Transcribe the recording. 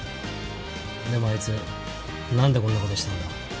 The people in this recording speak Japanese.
でもあいつなんでこんな事したんだ？